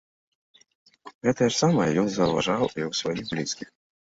Гэтае ж самае ён заўважаў і ў сваіх блізкіх.